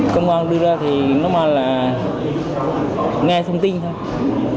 công an đưa ra thì nó mang là nghe thông tin thôi